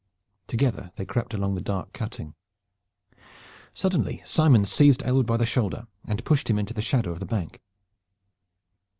Together they crept along the dark cutting. Suddenly Simon seized Aylward by the shoulder and pushed him into the shadow of the bank.